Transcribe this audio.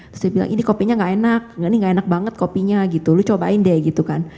terus dia bilang ini kopinya gak enak ini gak enak banget kopinya gitu lu cobain deh gitu kan